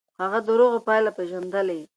هغه د دروغو پايلې پېژندلې.